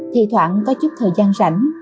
thỉ thoảng có chút thời gian rảnh